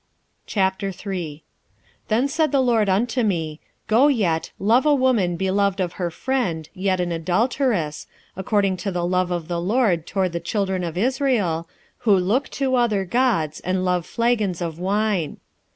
3:1 Then said the LORD unto me, Go yet, love a woman beloved of her friend, yet an adulteress, according to the love of the LORD toward the children of Israel, who look to other gods, and love flagons of wine.